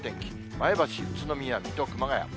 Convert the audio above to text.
前橋、宇都宮、水戸、熊谷。